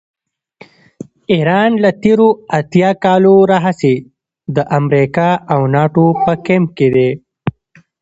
ایران له تېرو اتیا کالو راهیسې د امریکا او ناټو په کمپ کې دی.